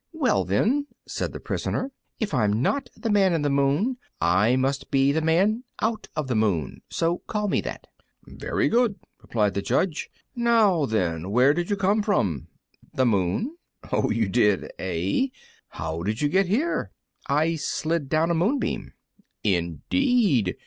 "Well, then," said the prisoner, "if I'm not the Man in the Moon I must be the Man out of the Moon; so call me that." "Very good," replied the judge; "now, then, where did you come from?" "The moon." "Oh, you did, eh? How did you get here?" "I slid down a moonbeam." "Indeed!